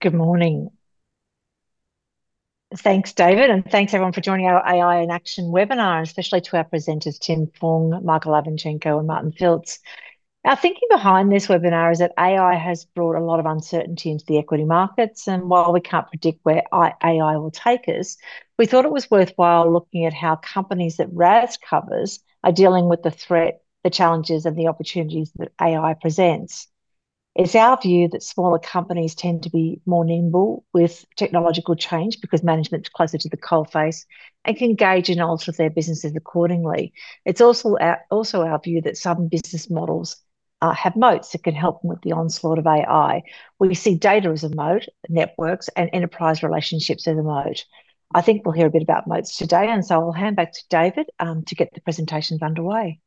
Good morning. Thanks, David, and thanks everyone for joining our AI in Action webinar, especially to our presenters, Tim Fung, Michael Ivanchenko, and Martin Filz. Our thinking behind this webinar is that AI has brought a lot of uncertainty into the equity markets, and while we can't predict where AI will take us, we thought it was worthwhile looking at how companies that RaaS covers are dealing with the threat, the challenges and the opportunities that AI presents. It's our view that smaller companies tend to be more nimble with technological change because management's closer to the coal face and can gauge and alter their businesses accordingly. It's also our view that some business models have moats that can help them with the onslaught of AI. We see data as a moat, networks and enterprise relationships as a moat. I think we'll hear a bit about moats today, and so I'll hand back to David to get the presentations underway.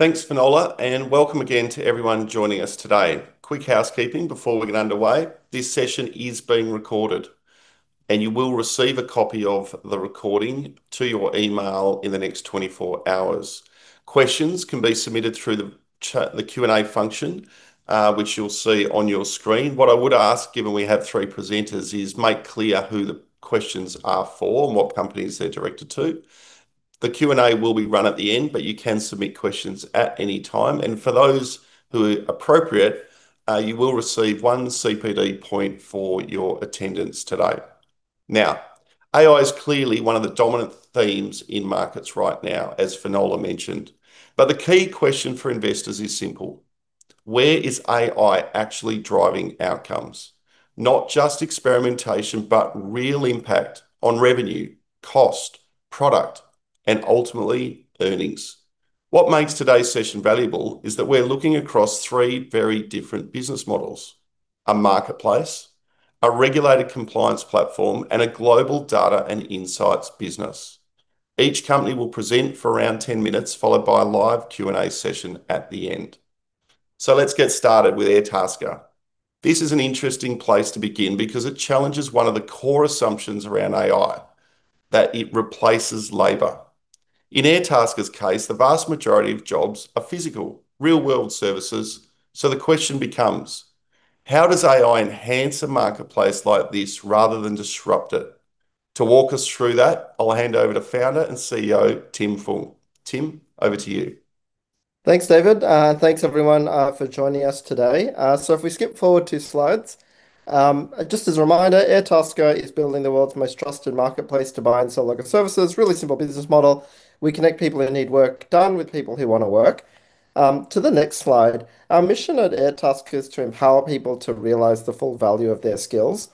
Thanks, Finola, and welcome again to everyone joining us today. Quick housekeeping before we get underway. This session is being recorded, and you will receive a copy of the recording to your email in the next 24 hours. Questions can be submitted through the chat, the Q&A function, which you'll see on your screen. What I would ask, given we have three presenters, is make clear who the questions are for and what companies they're directed to. The Q&A will be run at the end, but you can submit questions at any time. For those who are appropriate, you will receive one CPD point for your attendance today. Now, AI is clearly one of the dominant themes in markets right now, as Finola mentioned. The key question for investors is simple: Where is AI actually driving outcomes? Not just experimentation, but real impact on revenue, cost, product, and ultimately, earnings. What makes today's session valuable is that we're looking across three very different business models, a marketplace, a regulated compliance platform, and a global data and insights business. Each company will present for around 10 minutes, followed by a live Q&A session at the end. Let's get started with Airtasker. This is an interesting place to begin because it challenges one of the core assumptions around AI, that it replaces labor. In Airtasker's case, the vast majority of jobs are physical, real-world services. The question becomes, how does AI enhance a marketplace like this rather than disrupt it? To walk us through that, I'll hand over to Founder and CEO, Tim Fung. Tim, over to you. Thanks, David. Thanks everyone for joining us today. If we skip forward two slides. Just as a reminder, Airtasker is building the world's most trusted marketplace to buy and sell local services. Really simple business model. We connect people who need work done with people who wanna work. To the next slide. Our mission at Airtasker is to empower people to realize the full value of their skills.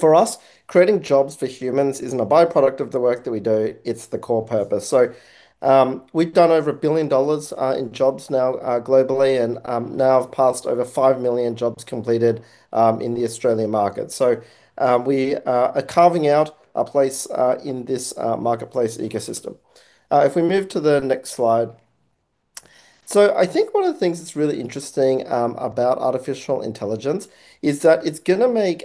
For us, creating jobs for humans isn't a byproduct of the work that we do, it's the core purpose. We've done over 1 billion in jobs now globally and now have passed over 5 million jobs completed in the Australian market. We are carving out a place in this marketplace ecosystem. If we move to the next slide. I think one of the things that's really interesting about artificial intelligence is that it's gonna make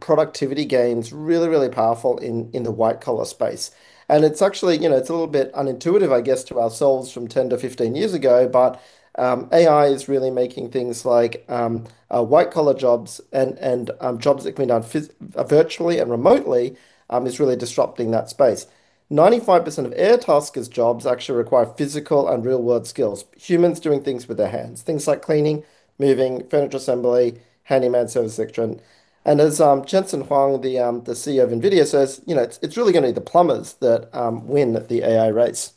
productivity gains really powerful in the white-collar space. It's actually, you know, it's a little bit unintuitive, I guess, to ourselves from 10 to 15 years ago, but AI is really making things like white-collar jobs and jobs that can be done virtually and remotely really disrupting that space. 95% of Airtasker's jobs actually require physical and real-world skills, humans doing things with their hands, things like cleaning, moving, furniture assembly, handyman service, etc. As Jensen Huang, the CEO of NVIDIA says, you know, it's really gonna be the plumbers that win the AI race.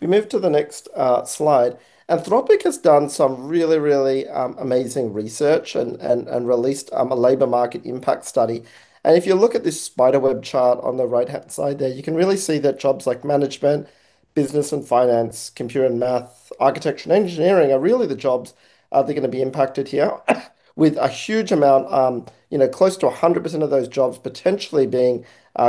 We move to the next slide. Anthropic has done some really amazing research and released a labor market impact study. If you look at this spider web chart on the right-hand side there, you can really see that jobs like management, business and finance, computer and math, architecture and engineering are really the jobs that are gonna be impacted here with a huge amount, you know, close to 100% of those jobs potentially being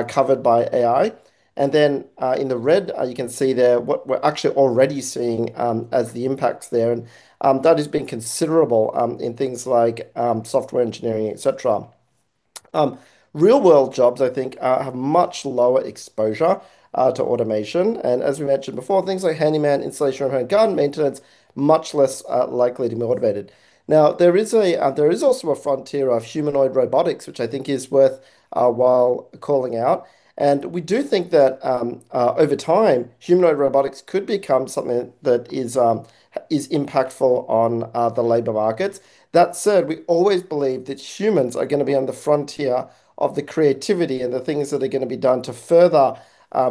covered by AI. In the red, you can see there what we're actually already seeing as the impacts there. That has been considerable in things like software engineering, et cetera. Real-world jobs, I think, have much lower exposure to automation. As we mentioned before, things like handyman, installation of home garden maintenance, much less likely to be automated. Now, there is also a frontier of humanoid robotics, which I think is worthwhile calling out. We do think that over time, humanoid robotics could become something that is impactful on the labor markets. That said, we always believe that humans are gonna be on the frontier of the creativity and the things that are gonna be done to further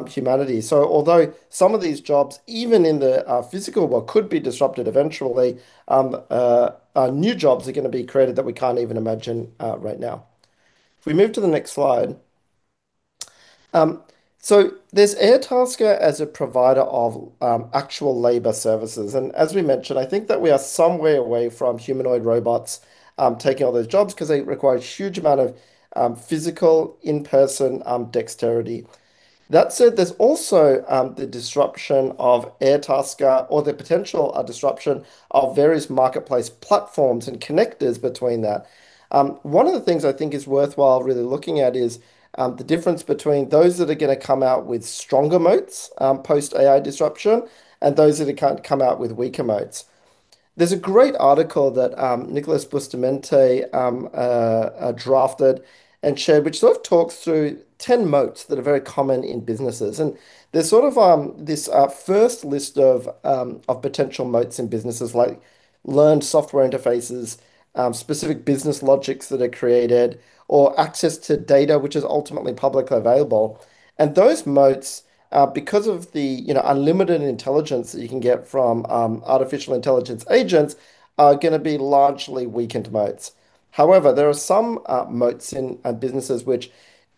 humanity. Although some of these jobs, even in the physical world, could be disrupted eventually, new jobs are gonna be created that we can't even imagine right now. If we move to the next slide. There's Airtasker as a provider of actual labor services. As we mentioned, I think that we are some way away from humanoid robots taking all those jobs 'cause they require a huge amount of physical in-person dexterity. That said, there's also the disruption of Airtasker or the potential disruption of various marketplace platforms and connectors between that. One of the things I think is worthwhile really looking at is the difference between those that are gonna come out with stronger moats post-AI disruption, and those that are gonna come out with weaker moats. There's a great article that Nicolas Bustamante drafted and shared, which sort of talks through 10 moats that are very common in businesses. There's sort of, this, first list of potential moats in businesses like learned software interfaces, specific business logics that are created, or access to data which is ultimately publicly available. Those moats, because of the, you know, unlimited intelligence that you can get from, artificial intelligence agents, are gonna be largely weakened moats. However, there are some, moats in, businesses which,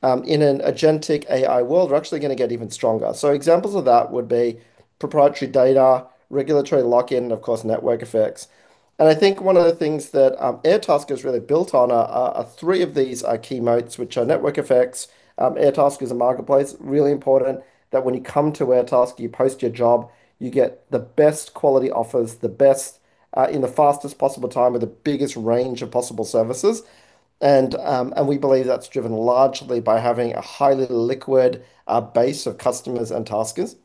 in an agentic AI world, are actually gonna get even stronger. Examples of that would be proprietary data, regulatory lock-in, and of course, network effects. I think one of the things that Airtasker’s really built on are three of these are key moats, which are network effects. Airtasker is a marketplace. Really important that when you come to Airtasker, you post your job, you get the best quality offers, the best in the fastest possible time with the biggest range of possible services. We believe that's driven largely by having a highly liquid base of customers and taskers.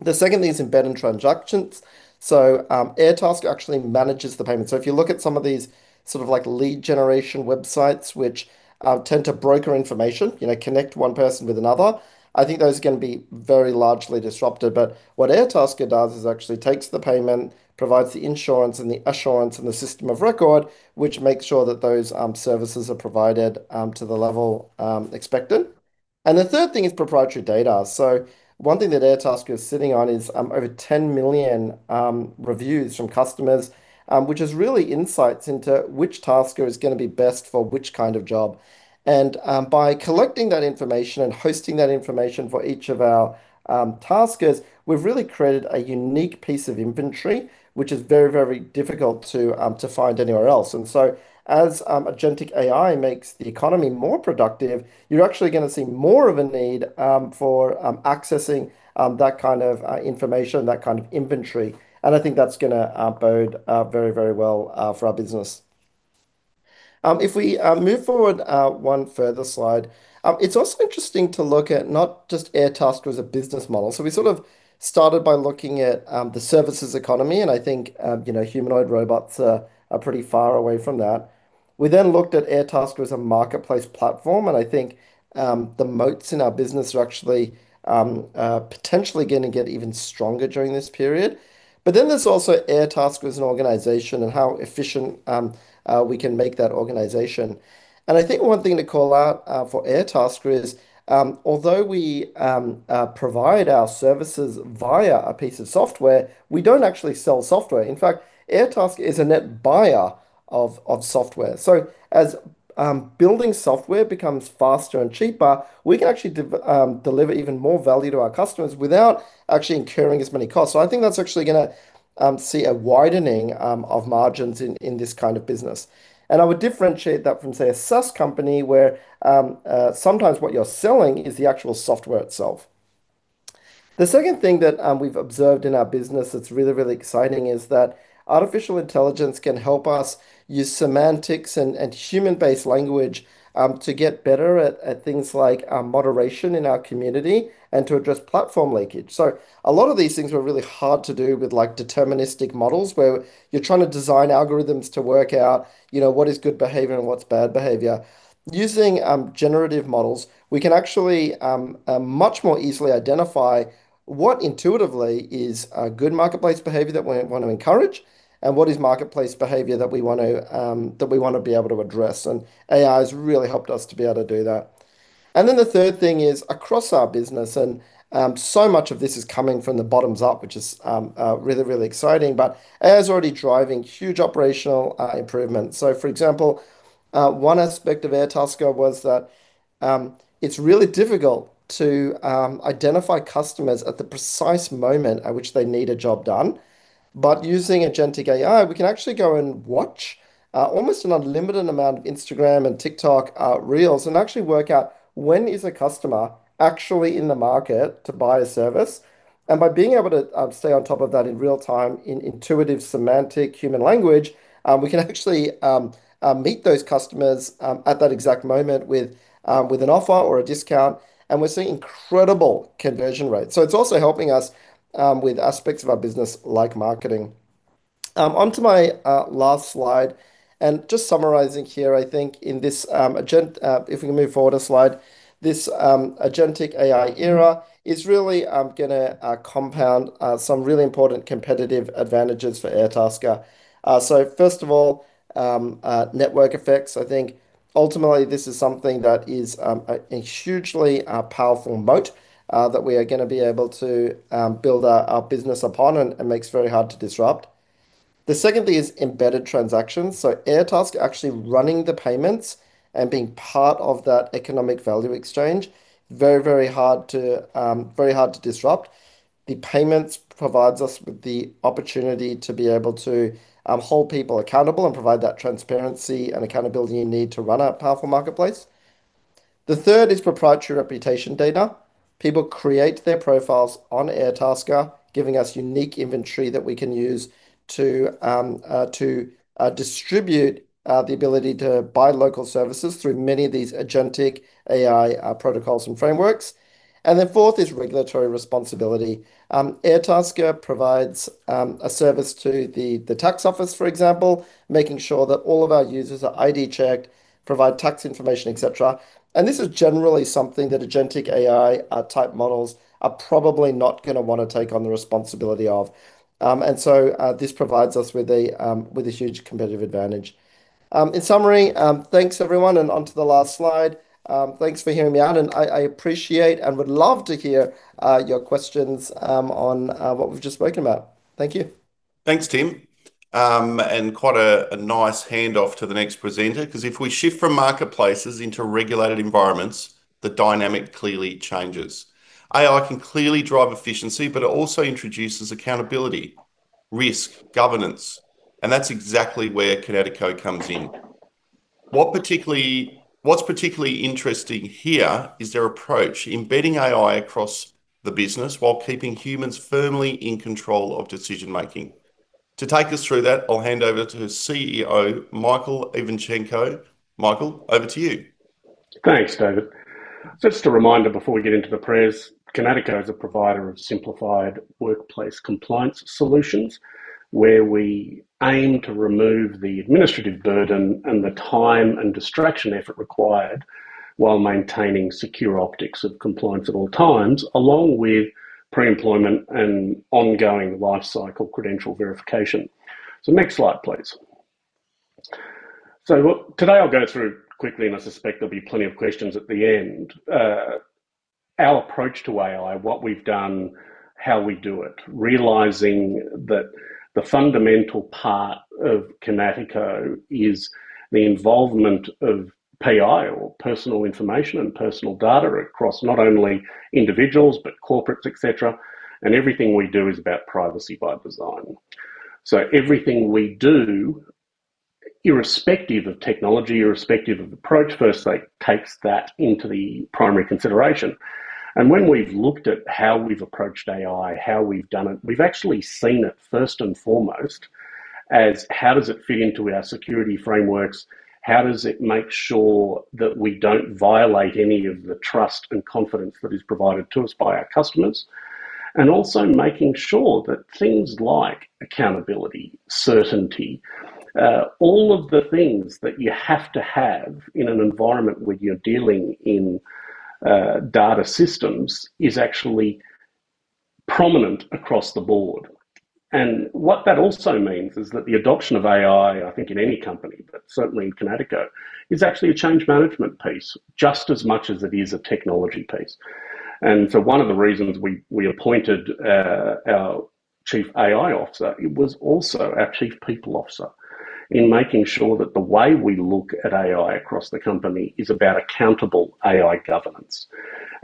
The second thing is embedded transactions. Airtasker actually manages the payment. If you look at some of these sort of like lead generation websites which tend to broker information, you know, connect one person with another, I think those are gonna be very largely disrupted. What Airtasker does is actually takes the payment, provides the insurance and the assurance and the system of record, which makes sure that those services are provided to the level expected. The third thing is proprietary data. One thing that Airtasker is sitting on is over 10 million reviews from customers, which is really insights into which tasker is gonna be best for which kind of job. By collecting that information and hosting that information for each of our taskers, we've really created a unique piece of inventory, which is very, very difficult to find anywhere else. As agentic AI makes the economy more productive, you're actually gonna see more of a need for accessing that kind of information, that kind of inventory. I think that's gonna bode very, very well for our business. If we move forward one further slide. It's also interesting to look at not just Airtasker as a business model. We sort of started by looking at the services economy, and I think you know, humanoid robots are pretty far away from that. We then looked at Airtasker as a marketplace platform, and I think the moats in our business are actually potentially gonna get even stronger during this period. Then there's also Airtasker as an organization and how efficient we can make that organization. I think one thing to call out for Airtasker is although we provide our services via a piece of software, we don't actually sell software. In fact, Airtasker is a net buyer of software. As building software becomes faster and cheaper, we can actually deliver even more value to our customers without actually incurring as many costs. I think that's actually gonna see a widening of margins in this kind of business. I would differentiate that from, say, a SaaS company where sometimes what you're selling is the actual software itself. The second thing that we've observed in our business that's really, really exciting is that artificial intelligence can help us use semantics and human-based language to get better at things like moderation in our community and to address platform leakage. A lot of these things were really hard to do with like deterministic models where you're trying to design algorithms to work out, you know, what is good behavior and what's bad behavior. Using generative models, we can actually much more easily identify what intuitively is a good marketplace behavior that we want to encourage and what is marketplace behavior that we want to be able to address. AI has really helped us to be able to do that. Then the third thing is across our business, and so much of this is coming from the bottoms up, which is really, really exciting. AI is already driving huge operational improvements. For example, one aspect of Airtasker was that it's really difficult to identify customers at the precise moment at which they need a job done. Using agentic AI, we can actually go and watch almost an unlimited amount of Instagram and TikTok reels and actually work out when is a customer actually in the market to buy a service. By being able to stay on top of that in real time in intuitive semantic human language, we can actually meet those customers at that exact moment with an offer or a discount, and we're seeing incredible conversion rates. It's also helping us with aspects of our business like marketing. Onto my last slide, and just summarizing here, I think in this if we can move forward a slide. This agentic AI era is really gonna compound some really important competitive advantages for Airtasker. First of all, network effects. I think ultimately this is something that is a hugely powerful moat that we are gonna be able to build our business upon and makes very hard to disrupt. The second thing is embedded transactions. Airtasker actually running the payments and being part of that economic value exchange, very hard to disrupt. The payments provides us with the opportunity to be able to hold people accountable and provide that transparency and accountability you need to run a powerful marketplace. The third is proprietary reputation data. People create their profiles on Airtasker, giving us unique inventory that we can use to distribute the ability to buy local services through many of these agentic AI protocols and frameworks. Fourth is regulatory responsibility. Airtasker provides a service to the tax office, for example, making sure that all of our users are ID checked, provide tax information, et cetera. This is generally something that agentic AI type models are probably not gonna wanna take on the responsibility of. This provides us with a huge competitive advantage. In summary, thanks everyone, and onto the last slide. Thanks for hearing me out, and I appreciate and would love to hear your questions on what we've just spoken about. Thank you. Thanks, Tim. Quite a nice handoff to the next presenter, 'cause if we shift from marketplaces into regulated environments, the dynamic clearly changes. AI can clearly drive efficiency, but it also introduces accountability, risk, governance, and that's exactly where Kinatico comes in. What's particularly interesting here is their approach, embedding AI across the business while keeping humans firmly in control of decision-making. To take us through that, I'll hand over to CEO Michael Ivanchenko. Michael, over to you. Thanks, David. Just a reminder before we get into the presentation, Kinatico is a provider of simplified workplace compliance solutions, where we aim to remove the administrative burden and the time and distraction effort required while maintaining secure optics of compliance at all times, along with pre-employment and ongoing lifecycle credential verification. Next slide, please. Today, I'll go through quickly, and I suspect there'll be plenty of questions at the end. Our approach to AI, what we've done, how we do it, realizing that the fundamental part of Kinatico is the involvement of PII or personal information and personal data across not only individuals, but corporates, et cetera. Everything we do is about privacy by design. Everything we do, irrespective of technology, irrespective of approach, firstly takes that into the primary consideration. when we've looked at how we've approached AI, how we've done it, we've actually seen it first and foremost as how does it fit into our security frameworks? How does it make sure that we don't violate any of the trust and confidence that is provided to us by our customers? Also making sure that things like accountability, certainty, all of the things that you have to have in an environment where you're dealing in data systems is actually prominent across the board. What that also means is that the adoption of AI, I think in any company, but certainly in Kinatico, is actually a change management piece just as much as it is a technology piece. One of the reasons we appointed our Chief AI Officer, it was also our chief people officer in making sure that the way we look at AI across the company is about accountable AI governance,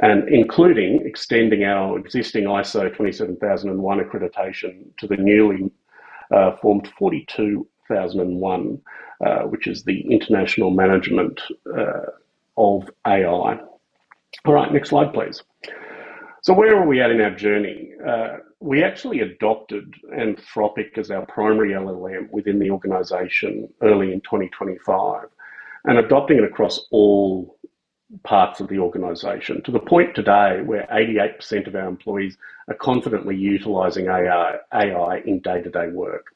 and including extending our existing ISO/IEC 27001 accreditation to the newly formed ISO/IEC 42001, which is the international management of AI. All right, next slide, please. Where are we at in our journey? We actually adopted Anthropic as our primary LLM within the organization early in 2025, and adopting it across all parts of the organization to the point today where 88% of our employees are confidently utilizing AI in day-to-day work.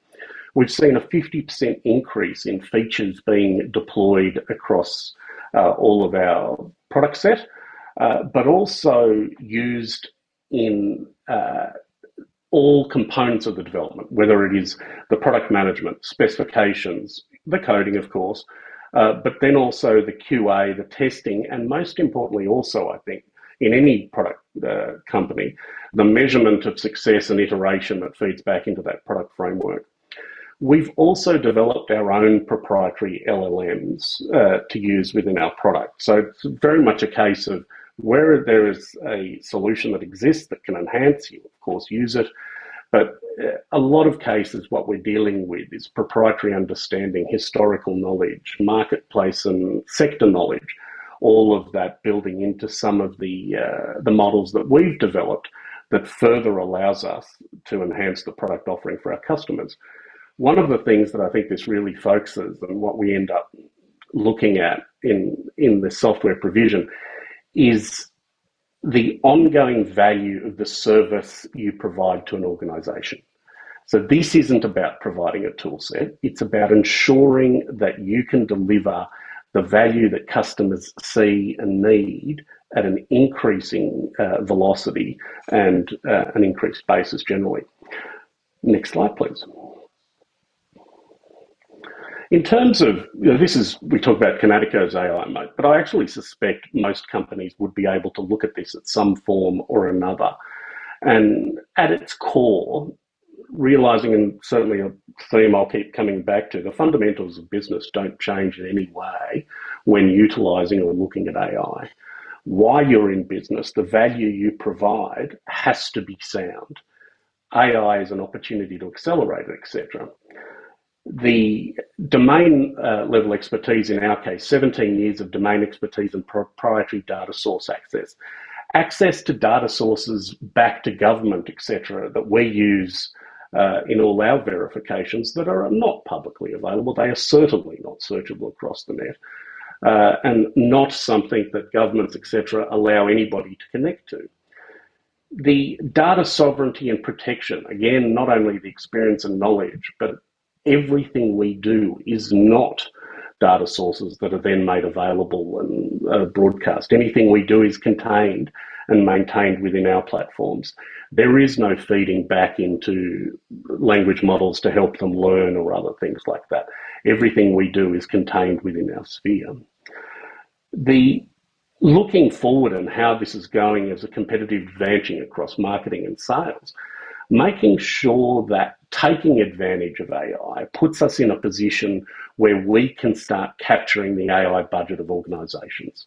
We've seen a 50% increase in features being deployed across all of our product set, but also used in all components of the development, whether it is the product management specifications, the coding of course, but then also the QA, the testing, and most importantly, also, I think in any product company, the measurement of success and iteration that feeds back into that product framework. We've also developed our own proprietary LLMs to use within our product. It's very much a case of where there is a solution that exists that can enhance you, of course, use it. A lot of cases, what we're dealing with is proprietary understanding, historical knowledge, marketplace, and sector knowledge, all of that building into some of the models that we've developed that further allows us to enhance the product offering for our customers. One of the things that I think this really focuses and what we end up looking at in the software provision is the ongoing value of the service you provide to an organization. This isn't about providing a toolset, it's about ensuring that you can deliver the value that customers see and need at an increasing velocity and an increased basis generally. Next slide, please. In terms of, you know, this is. We talk about Kinatico's AI model, but I actually suspect most companies would be able to look at this at some form or another. At its core, realizing and certainly a theme I'll keep coming back to, the fundamentals of business don't change in any way when utilizing or looking at AI. Why you're in business, the value you provide has to be sound. AI is an opportunity to accelerate, et cetera. The domain level expertise, in our case, 17 years of domain expertise and proprietary data source access. Access to data sources back to government, et cetera, that we use in all our verifications that are not publicly available. They are certainly not searchable across the net and not something that governments, et cetera, allow anybody to connect to. The data sovereignty and protection, again, not only the experience and knowledge, but everything we do is not data sources that are then made available and broadcast. Anything we do is contained and maintained within our platforms. There is no feeding back into language models to help them learn or other things like that. Everything we do is contained within our sphere. The looking forward and how this is going as a competitive advantage across marketing and sales, making sure that taking advantage of AI puts us in a position where we can start capturing the AI budget of organizations.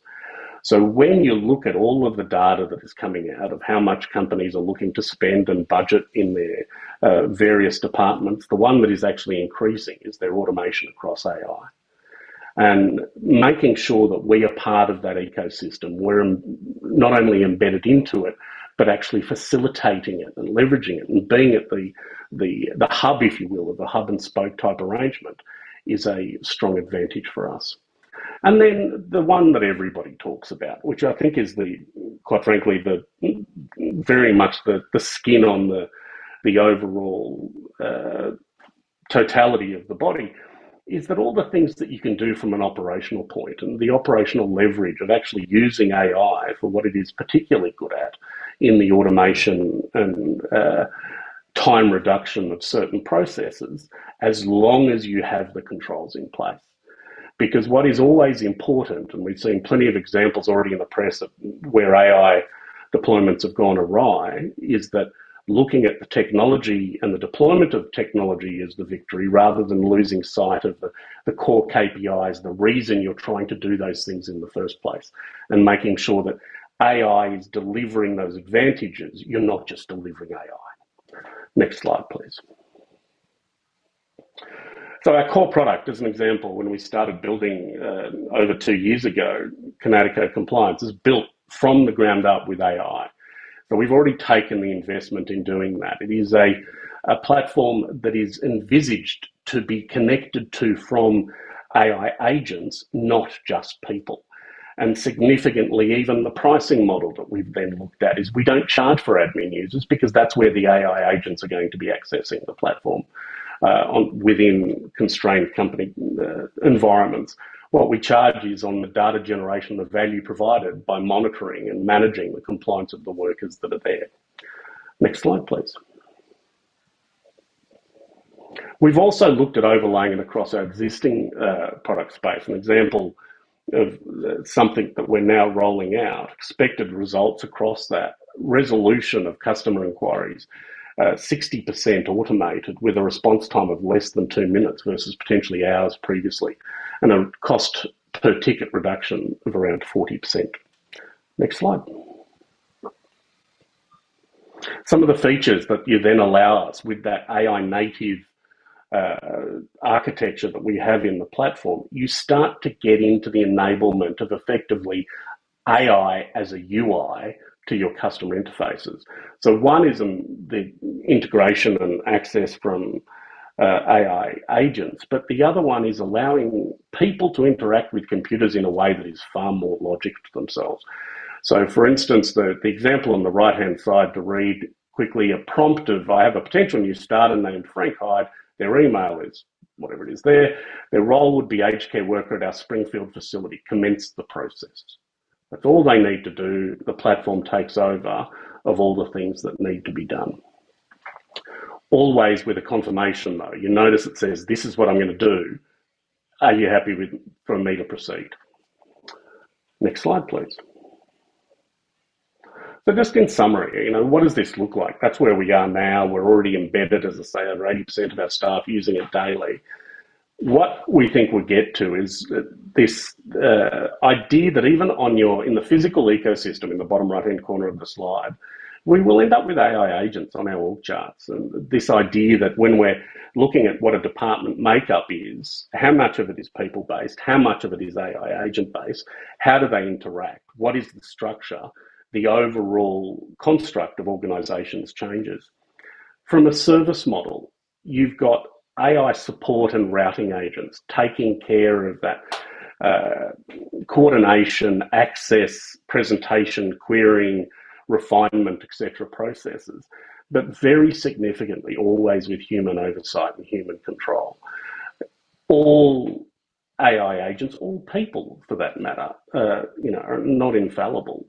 When you look at all of the data that is coming out of how much companies are looking to spend and budget in their various departments, the one that is actually increasing is their automation across AI. Making sure that we are part of that ecosystem. We're not only embedded into it, but actually facilitating it and leveraging it and being at the hub, if you will, of a hub and spoke type arrangement is a strong advantage for us. The one that everybody talks about, which I think is, quite frankly, the very much the skin on the overall totality of the body, is that all the things that you can do from an operational point and the operational leverage of actually using AI for what it is particularly good at in the automation and time reduction of certain processes, as long as you have the controls in place. Because what is always important, and we've seen plenty of examples already in the press of where AI deployments have gone awry, is that looking at the technology and the deployment of technology is the victory, rather than losing sight of the core KPIs, the reason you're trying to do those things in the first place, and making sure that AI is delivering those advantages. You're not just delivering AI. Next slide, please. Our core product, as an example, when we started building over two years ago, Kinatico Compliance is built from the ground up with AI. We've already taken the investment in doing that. It is a platform that is envisaged to be connected to from AI agents, not just people. Significantly, even the pricing model that we've then looked at is we don't charge for admin users because that's where the AI agents are going to be accessing the platform within constrained company environments. What we charge is on the data generation, the value provided by monitoring and managing the compliance of the workers that are there. Next slide, please. We've also looked at overlaying it across our existing product space. An example of something that we're now rolling out, expected results across that. Resolution of customer inquiries, 60% automated with a response time of less than two minutes versus potentially hours previously, and a cost per ticket reduction of around 40%. Next slide. Some of the features that you then allow us with that AI-native architecture that we have in the platform, you start to get into the enablement of effectively AI as a UI to your customer interfaces. One is the integration and access from AI agents, but the other one is allowing people to interact with computers in a way that is far more logical to themselves. For instance, the example on the right-hand side to read quickly a prompt of, "I have a potential new starter named Frank Hyde. Their email is," whatever it is there. "Their role would be HK worker at our Springfield facility. Commence the process." That's all they need to do. The platform takes care of all the things that need to be done. Always with a confirmation, though. You notice it says, "This is what I'm gonna do. Are you happy for me to proceed?" Next slide, please. Just in summary, you know, what does this look like? That's where we are now. We're already embedded, as I say, over 80% of our staff using it daily. What we think we get to is this idea that even in the physical ecosystem in the bottom right-hand corner of the slide, we will end up with AI agents on our org charts. This idea that when we're looking at what a department makeup is, how much of it is people-based, how much of it is AI agent-based? How do they interact? What is the structure? The overall construct of organizations changes. From a service model, you've got AI support and routing agents taking care of that, coordination, access, presentation, querying, refinement, et cetera, processes, but very significantly, always with human oversight and human control. All AI agents, all people for that matter, you know, are not infallible.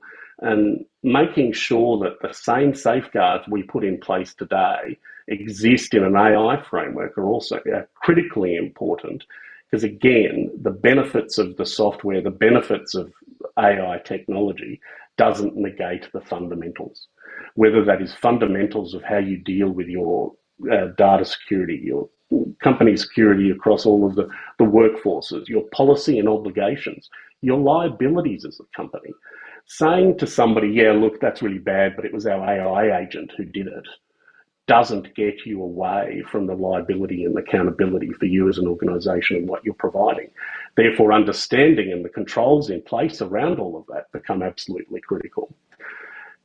Making sure that the same safeguards we put in place today exist in an AI framework are also critically important. 'Cause again, the benefits of the software, the benefits of AI technology doesn't negate the fundamentals. Whether that is fundamentals of how you deal with your data security, your company security across all of the workforces, your policy and obligations, your liabilities as a company. Saying to somebody, "Yeah, look, that's really bad, but it was our AI agent who did it." Doesn't get you away from the liability and accountability for you as an organization and what you're providing. Therefore, understanding and the controls in place around all of that become absolutely critical.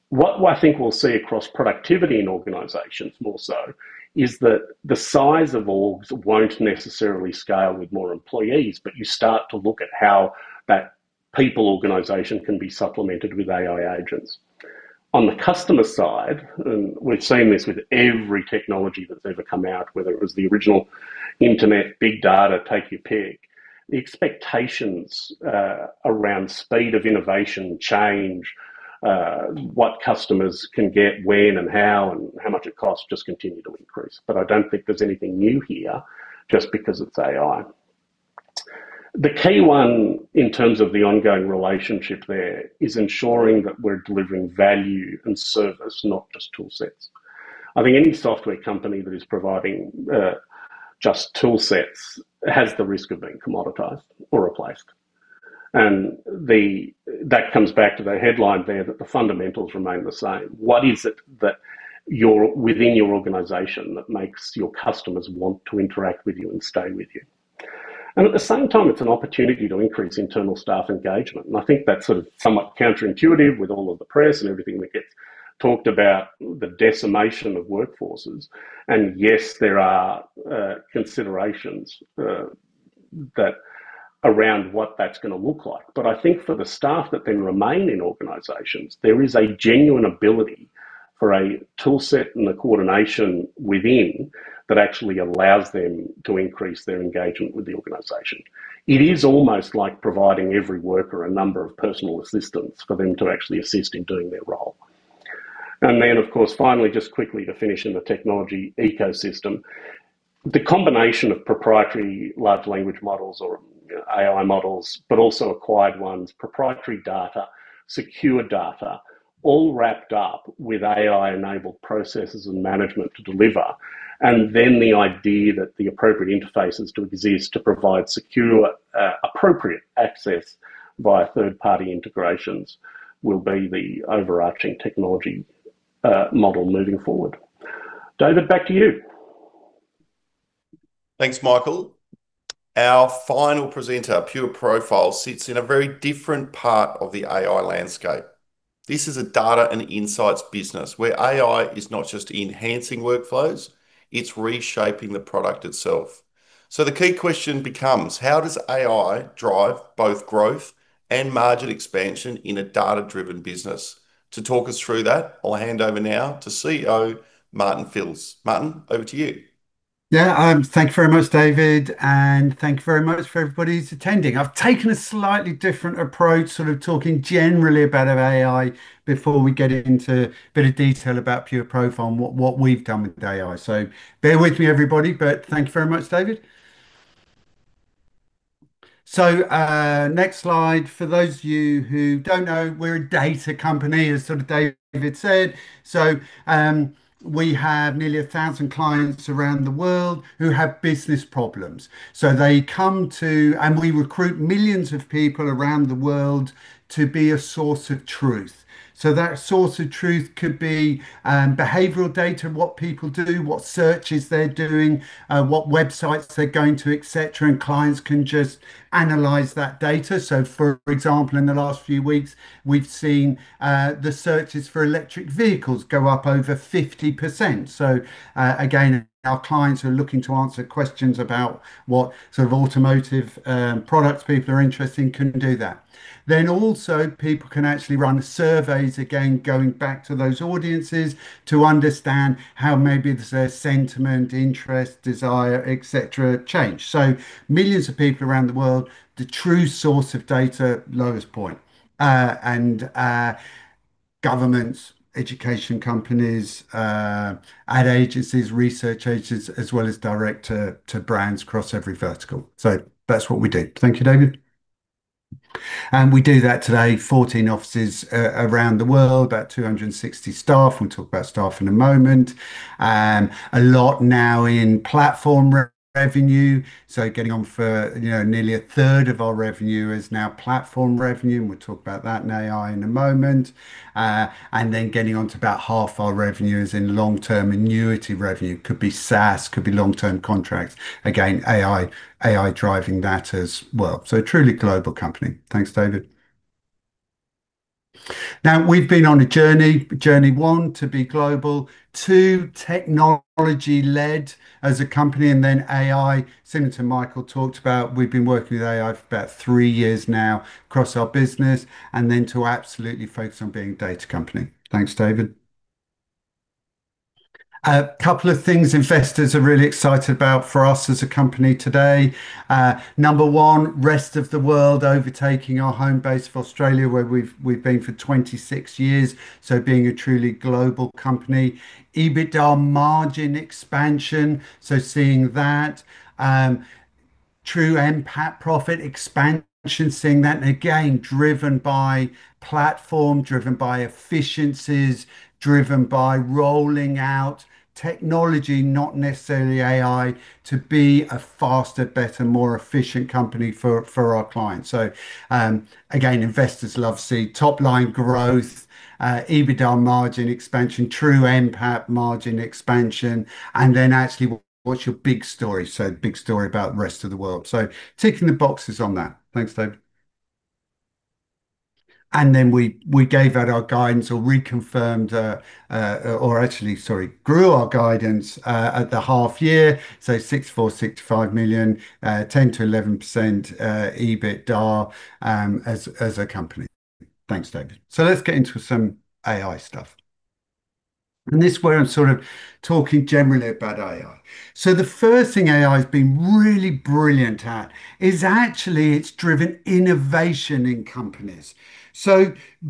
What I think we'll see across productivity in organizations more so is that the size of orgs won't necessarily scale with more employees, but you start to look at how that people organization can be supplemented with AI agents. On the customer side, and we've seen this with every technology that's ever come out, whether it was the original internet, big data, take your pick, the expectations around speed of innovation change, what customers can get when and how and how much it costs just continue to increase. I don't think there's anything new here just because it's AI. The key one in terms of the ongoing relationship there is ensuring that we're delivering value and service, not just tool sets. I think any software company that is providing just tool sets has the risk of being commoditized or replaced. That comes back to the headline there that the fundamentals remain the same. What is it that you're within your organization that makes your customers want to interact with you and stay with you? At the same time, it's an opportunity to increase internal staff engagement, and I think that's sort of somewhat counterintuitive with all of the press and everything that gets talked about the decimation of workforces. Yes, there are considerations around what that's gonna look like. I think for the staff that then remain in organizations, there is a genuine ability for a tool set and the coordination within that actually allows them to increase their engagement with the organization. It is almost like providing every worker a number of personal assistants for them to actually assist in doing their role. Then, of course, finally, just quickly to finish in the technology ecosystem, the combination of proprietary large language models or AI models, but also acquired ones, proprietary data, secure data, all wrapped up with AI-enabled processes and management to deliver, and then the idea that the appropriate interfaces to exist to provide secure, appropriate access via third-party integrations will be the overarching technology, model moving forward. David, back to you. Thanks, Michael. Our final presenter, Pureprofile, sits in a very different part of the AI landscape. This is a data and insights business where AI is not just enhancing workflows, it's reshaping the product itself. The key question becomes. How does AI drive both growth and margin expansion in a data-driven business? To talk us through that, I'll hand over now to CEO Martin Filz. Martin, over to you. Yeah. Thank you very much, David, and thank you very much for everybody who's attending. I've taken a slightly different approach, sort of talking generally about AI before we get into a bit of detail about Pureprofile and what we've done with AI. Bear with me, everybody, but thank you very much, David. Next slide. For those of you who don't know, we're a data company, as sort of David said. We have nearly 1,000 clients around the world who have business problems. They come to us and we recruit millions of people around the world to be a source of truth. That source of truth could be behavioral data, what people do, what searches they're doing, what websites they're going to, et cetera, and clients can just analyze that data. For example, in the last few weeks, we've seen the searches for electric vehicles go up over 50%. Again, our clients who are looking to answer questions about what sort of automotive products people are interested in can do that. People can actually run surveys, again, going back to those audiences to understand how maybe the sentiment, interest, desire, et cetera, change. Millions of people around the world, the true source of data, lowest cost. Governments, education companies, ad agencies, research agencies, as well as direct to brands across every vertical. That's what we do. Thank you, David. We do that today, 14 offices around the world, about 260 staff. We'll talk about staff in a moment. A lot now in platform revenue, so getting on for, you know, nearly 1/3 of our revenue is now platform revenue, and we'll talk about that and AI in a moment. Getting on to about half our revenue is in long-term annuity revenue. Could be SaaS, could be long-term contracts. Again, AI driving that as well. A truly global company. Thanks, David. Now, we've been on a journey. Journey one, to be global. Two, technology-led as a company, and then AI. Similar to Michael talked about, we've been working with AI for about three years now across our business, and then to absolutely focus on being a data company. Thanks, David. A couple of things investors are really excited about for us as a company today. Number one, rest of the world overtaking our home base of Australia, where we've been for 26 years, so being a truly global company. EBITDA margin expansion, so seeing that. True NPAT profit expansion, seeing that, and again, driven by platform, driven by efficiencies, driven by rolling out technology, not necessarily AI, to be a faster, better, more efficient company for our clients. Again, investors love to see top-line growth, EBITDA margin expansion, true NPAT margin expansion, and then actually what's your big story? Big story about the rest of the world. Ticking the boxes on that. Thanks, David. Then we grew our guidance at the half year, so 646.5 million, 10%-11% EBITDA as a company. Thanks, David. Let's get into some AI stuff. This is where I'm sort of talking generally about AI. The first thing AI's been really brilliant at is actually it's driven innovation in companies.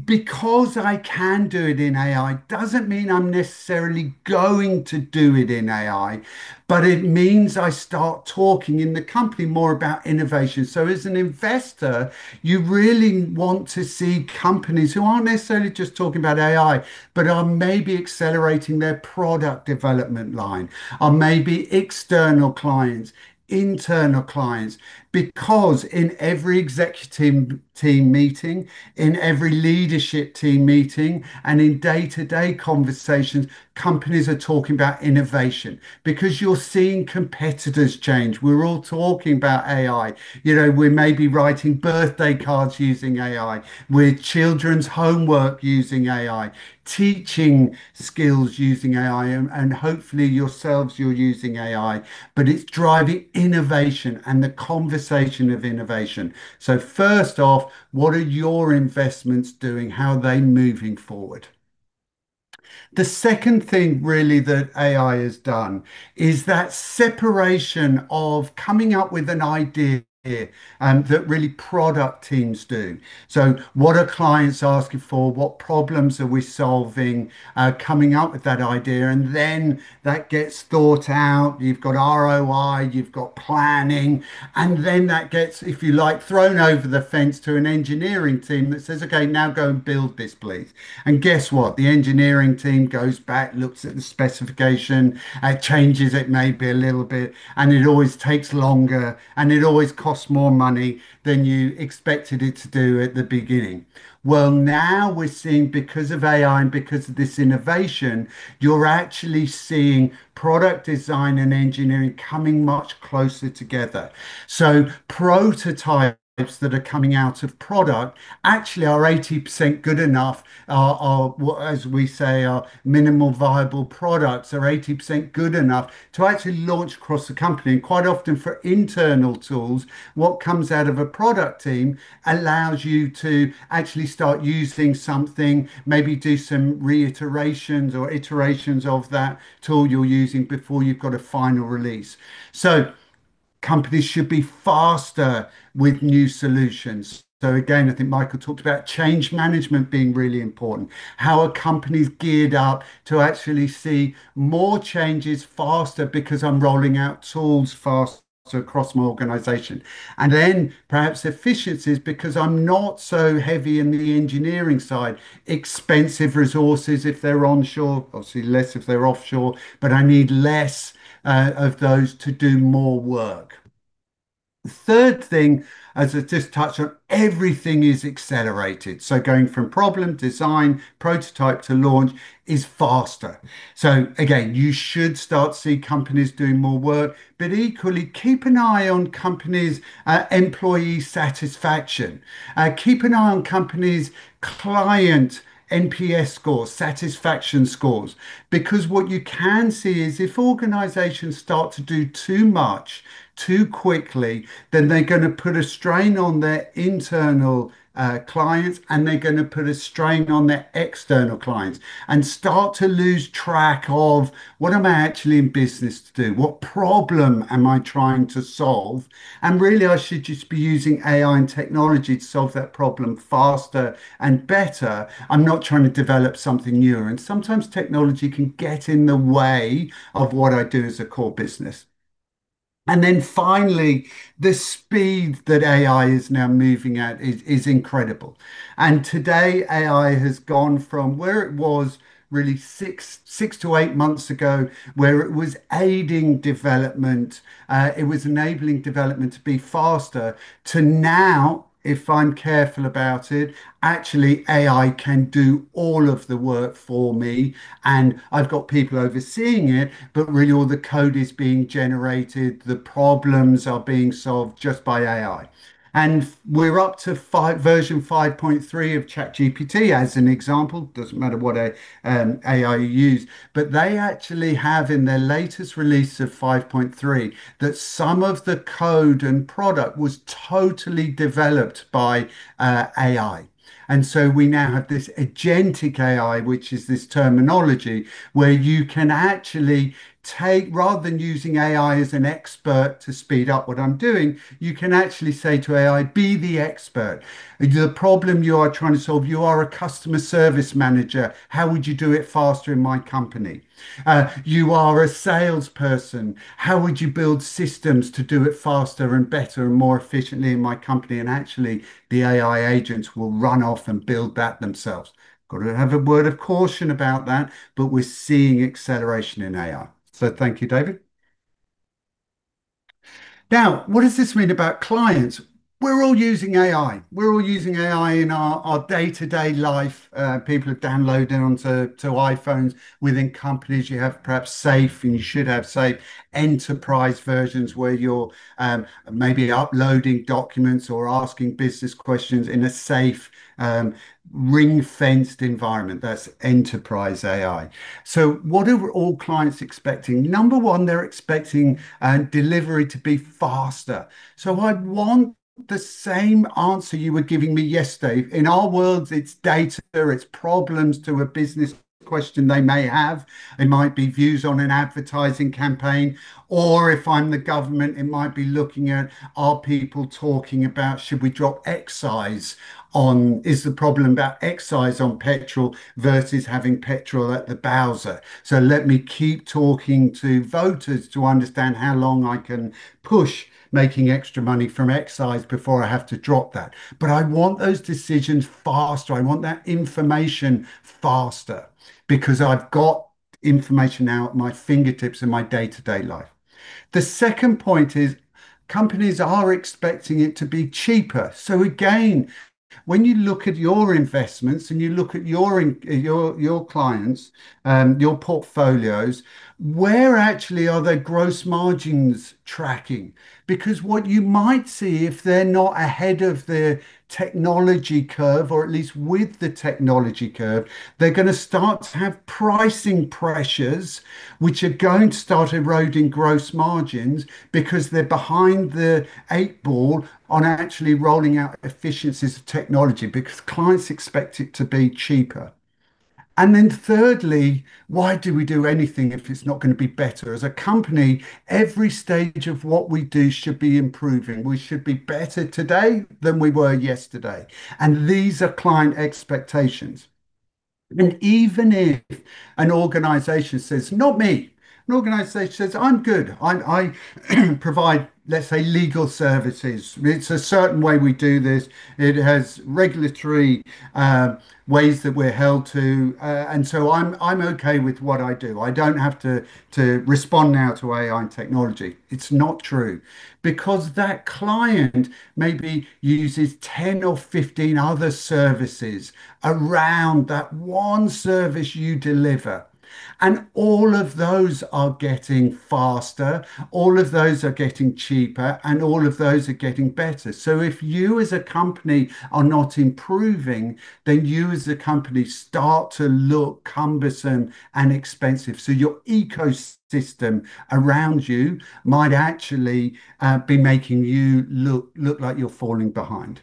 Because I can do it in AI doesn't mean I'm necessarily going to do it in AI, but it means I start talking in the company more about innovation. As an investor, you really want to see companies who aren't necessarily just talking about AI but are maybe accelerating their product development line, or maybe external clients, internal clients. Because in every executive team meeting, in every leadership team meeting, and in day-to-day conversations, companies are talking about innovation because you're seeing competitors change. We're all talking about AI. You know, we may be writing birthday cards using AI. We're doing children's homework using AI, teaching skills using AI, and hopefully yourselves you're using AI, but it's driving innovation and the conversation of innovation. First off, what are your investments doing? How are they moving forward? The second thing really that AI has done is that separation of coming up with an idea, that really product teams do. What are clients asking for? What problems are we solving? Coming up with that idea, and then that gets thought out. You've got ROI, you've got planning, and then that gets, if you like, thrown over the fence to an engineering team that says, "Okay, now go and build this, please." Guess what? The engineering team goes back, looks at the specification. It changes it maybe a little bit, and it always takes longer, and it always costs more money than you expected it to do at the beginning. Well, now we're seeing because of AI and because of this innovation, you're actually seeing product design and engineering coming much closer together. Prototypes that are coming out of product actually are 80% good enough. Our what as we say, our minimum viable products are 80% good enough to actually launch across the company. Quite often for internal tools, what comes out of a product team allows you to actually start using something, maybe do some reiterations or iterations of that tool you're using before you've got a final release. Companies should be faster with new solutions. Again, I think Michael talked about change management being really important. How are companies geared up to actually see more changes faster because I'm rolling out tools faster across my organization. Perhaps efficiencies because I'm not so heavy in the engineering side. Expensive resources if they're onshore, obviously less if they're offshore, but I need less of those to do more work. The third thing, as I just touched on, everything is accelerated. Going from problem, design, prototype to launch is faster. Again, you should start to see companies doing more work, but equally keep an eye on companies' employee satisfaction. Keep an eye on companies' client NPS scores, satisfaction scores. Because what you can see is if organizations start to do too much too quickly, then they're gonna put a strain on their internal clients, and they're gonna put a strain on their external clients, and start to lose track of, what am I actually in business to do? What problem am I trying to solve? Really I should just be using AI and technology to solve that problem faster and better. I'm not trying to develop something newer. Sometimes technology can get in the way of what I do as a core business. Finally, the speed that AI is now moving at is incredible. Today, AI has gone from where it was really six to eight months ago, where it was aiding development, it was enabling development to be faster, to now, if I'm careful about it, actually AI can do all of the work for me, and I've got people overseeing it, but really all the code is being generated, the problems are being solved just by AI. We're up to version 5.3 of ChatGPT as an example, doesn't matter what AI you use. They actually have in their latest release of 5.3 that some of the code and product was totally developed by AI. We now have this agentic AI, which is this terminology where you can actually take. Rather than using AI as an expert to speed up what I'm doing, you can actually say to AI, "Be the expert. The problem you are trying to solve, you are a customer service manager. How would you do it faster in my company? You are a salesperson. How would you build systems to do it faster and better and more efficiently in my company?" Actually, the AI agents will run off and build that themselves. Got to have a word of caution about that, but we're seeing acceleration in AI. Thank you, David. Now, what does this mean about clients? We're all using AI. We're all using AI in our day-to-day life. People have downloaded onto iPhones. Within companies you have perhaps safe, and you should have safe enterprise versions where you're maybe uploading documents or asking business questions in a safe ring-fenced environment. That's enterprise AI. What are all clients expecting? Number one, they're expecting delivery to be faster. I'd want the same answer you were giving me yesterday. In our worlds, it's data, it's problems to a business question they may have. It might be views on an advertising campaign, or if I'm the government, it might be looking at are people talking about should we drop excise on. Is the problem about excise on petrol versus having petrol at the bowser? Let me keep talking to voters to understand how long I can push making extra money from excise before I have to drop that. I want those decisions faster, I want that information faster because I've got information now at my fingertips in my day-to-day life. The second point is companies are expecting it to be cheaper. Again, when you look at your investments and you look at your clients, your portfolios, where actually are their gross margins tracking? Because what you might see if they're not ahead of the technology curve, or at least with the technology curve, they're gonna start to have pricing pressures which are going to start eroding gross margins because they're behind the eight ball on actually rolling out efficiencies of technology, because clients expect it to be cheaper. Thirdly, why do we do anything if it's not gonna be better? As a company, every stage of what we do should be improving. We should be better today than we were yesterday, and these are client expectations. Even if an organization says, "Not me." An organization says, "I'm good. I provide," let's say, "legal services. It's a certain way we do this. It has regulatory ways that we're held to, and so I'm okay with what I do. I don't have to respond now to AI and technology." It's not true. Because that client maybe uses 10 or 15 other services around that one service you deliver, and all of those are getting faster, all of those are getting cheaper, and all of those are getting better. If you as a company are not improving, then you as a company start to look cumbersome and expensive. Your ecosystem around you might actually be making you look like you're falling behind.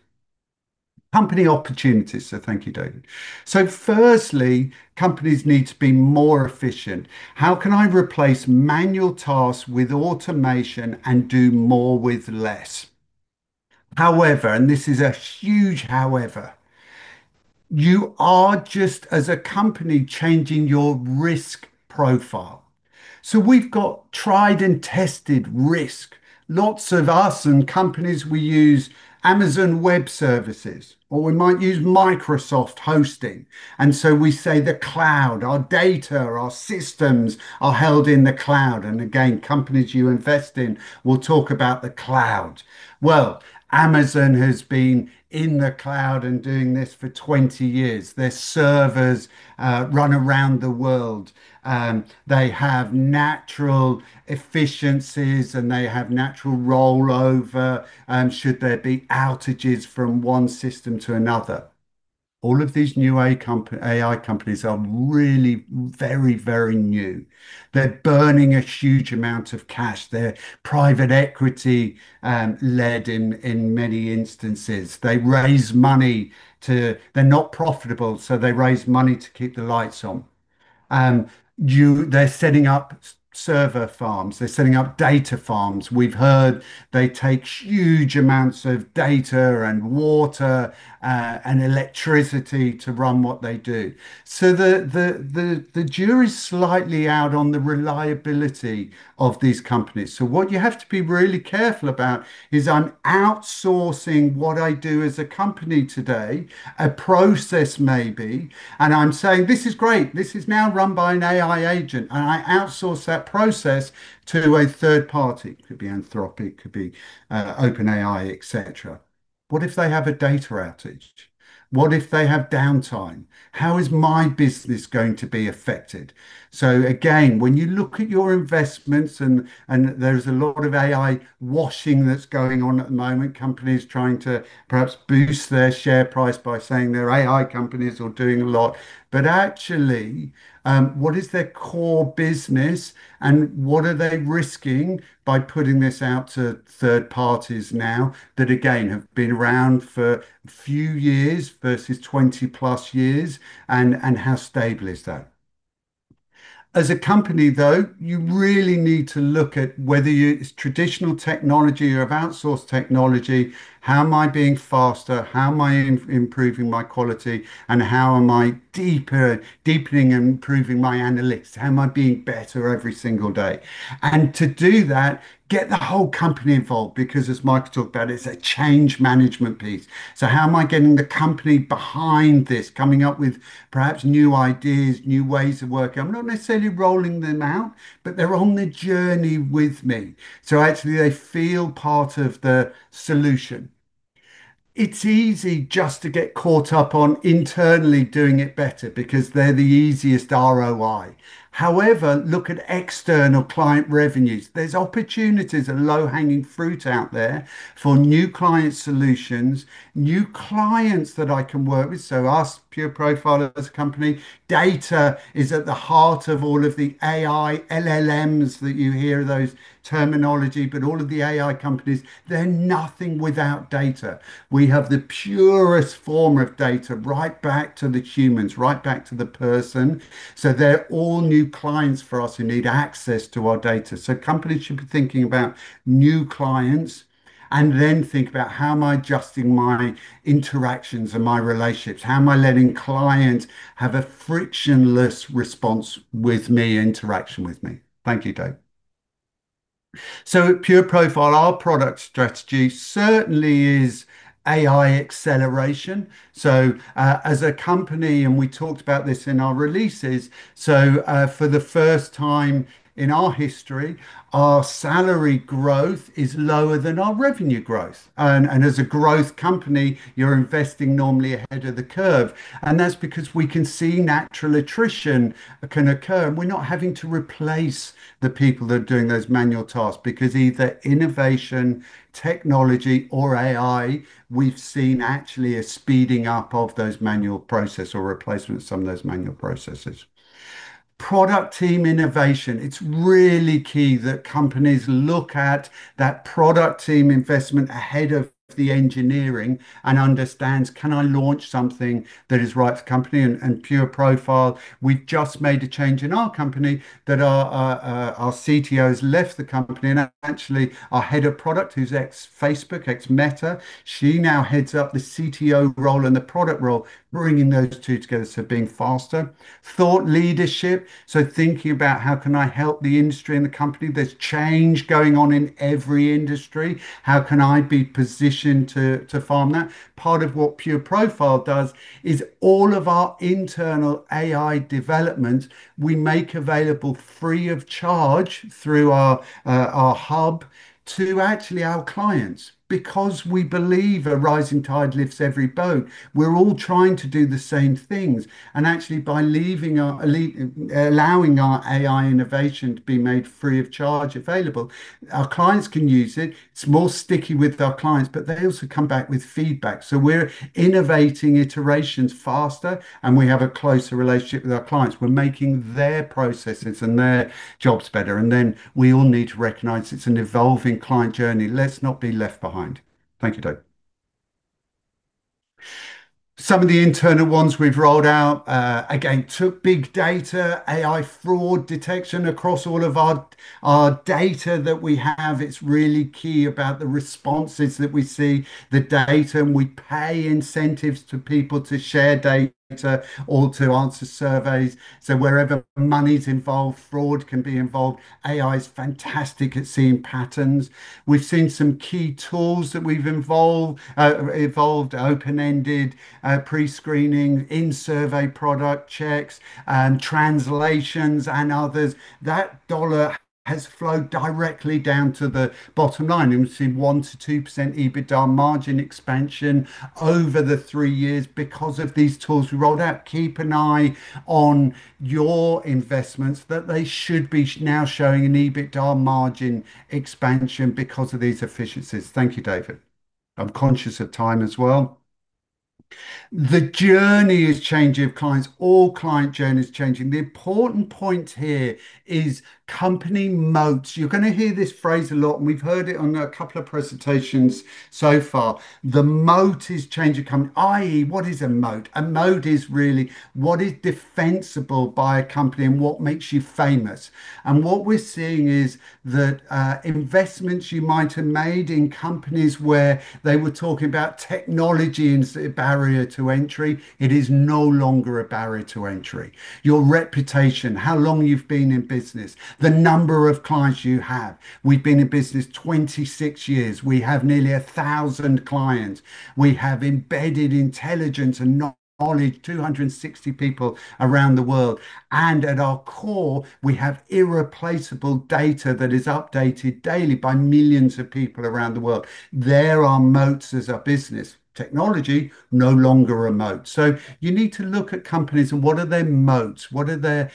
Company opportunities. Thank you, David. Firstly, companies need to be more efficient. How can I replace manual tasks with automation and do more with less? However, and this is a huge however, you are just as a company changing your risk profile. We've got tried and tested risk. Lots of us and companies we use Amazon Web Services or we might use Microsoft Hosting. We say the cloud, our data, our systems are held in the cloud. Again, companies you invest in will talk about the cloud. Well, Amazon has been in the cloud and doing this for 20 years. Their servers run around the world. They have natural efficiencies and they have natural rollover, should there be outages from one system to another. All of these new AI companies are really very, very new. They're burning a huge amount of cash. They're private equity led in many instances. They raise money. They're not profitable, so they raise money to keep the lights on. They're setting up server farms, they're setting up data farms. We've heard they take huge amounts of data and water and electricity to run what they do. The jury's slightly out on the reliability of these companies. What you have to be really careful about is I'm outsourcing what I do as a company today, a process maybe, and I'm saying, "This is great. This is now run by an AI agent," and I outsource that process to a third party. Could be Anthropic, could be OpenAI, et cetera. What if they have a data outage? What if they have downtime? How is my business going to be affected? Again, when you look at your investments, and there's a lot of AI washing that's going on at the moment, companies trying to perhaps boost their share price by saying they're AI companies or doing a lot, but actually, what is their core business and what are they risking by putting this out to third parties now that, again, have been around for a few years versus 20+ years, and how stable is that? As a company though, you really need to look at whether you. It's traditional technology or outsourced technology, how am I being faster? How am I improving my quality, and how am I deepening and improving my analytics? How am I being better every single day? To do that, get the whole company involved because as Mike talked about, it's a change management piece. How am I getting the company behind this, coming up with perhaps new ideas, new ways of working? I'm not necessarily rolling them out, but they're on the journey with me, so actually they feel part of the solution. It's easy just to get caught up on internally doing it better because they're the easiest ROI. However, look at external client revenues. There's opportunities and low-hanging fruit out there for new client solutions, new clients that I can work with, so us, Pureprofile as a company. Data is at the heart of all of the AI, LLMs that you hear, those terminology, but all of the AI companies, they're nothing without data. We have the purest form of data right back to the humans, right back to the person, so they're all new clients for us who need access to our data. Companies should be thinking about new clients, and then think about how am I adjusting my interactions and my relationships? How am I letting clients have a frictionless response with me, interaction with me? Thank you, David. At Pureprofile, our product strategy certainly is AI acceleration. As a company, and we talked about this in our releases, for the first time in our history, our salary growth is lower than our revenue growth. As a growth company, you're investing normally ahead of the curve, and that's because we can see natural attrition can occur, and we're not having to replace the people that are doing those manual tasks because either innovation, technology, or AI, we've seen actually a speeding up of those manual process or replacement of some of those manual processes. Product team innovation. It's really key that companies look at that product team investment ahead of the engineering and understands, can I launch something that is right for the company? Pureprofile, we just made a change in our company that our CTO's left the company, and actually our head of product, who's ex-Facebook, ex-Meta, she now heads up the CTO role and the product role, bringing those two together, so being faster. Thought leadership, thinking about how can I help the industry and the company? There's change going on in every industry. How can I be positioned to farm that? Part of what Pureprofile does is all of our internal AI development, we make available free of charge through our hub to actually our clients because we believe a rising tide lifts every boat. We're all trying to do the same things, and actually allowing our AI innovation to be made free of charge available, our clients can use it. It's more sticky with our clients, but they also come back with feedback. We're innovating iterations faster, and we have a closer relationship with our clients. We're making their processes and their jobs better. We all need to recognize it's an evolving client journey. Let's not be left behind. Thank you, Dave. Some of the internal ones we've rolled out, again, took big data, AI fraud detection across all of our data that we have. It's really key about the responses that we see, the data, and we pay incentives to people to share data or to answer surveys. Wherever money's involved, fraud can be involved. AI's fantastic at seeing patterns. We've seen some key tools that we've evolved open-ended pre-screening, in-survey product checks, translations and others. That dollar has flowed directly down to the bottom line, and we've seen 1%-2% EBITDA margin expansion over the three years because of these tools we rolled out. Keep an eye on your investments, that they should be now showing an EBITDA margin expansion because of these efficiencies. Thank you, David. I'm conscious of time as well. The client journey is changing. All client journeys are changing. The important point here is company moats. You're gonna hear this phrase a lot, and we've heard it on a couple of presentations so far. The moat is changing company, i.e., what is a moat? A moat is really what is defensible by a company and what makes you famous. What we're seeing is that, investments you might have made in companies where they were talking about technology as a barrier to entry, it is no longer a barrier to entry. Your reputation, how long you've been in business, the number of clients you have. We've been in business 26 years. We have nearly 1,000 clients. We have embedded intelligence and knowledge, 260 people around the world. At our core, we have irreplaceable data that is updated daily by millions of people around the world. They're our moats as a business. Technology, no longer a moat. You need to look at companies and what are their moats. What are their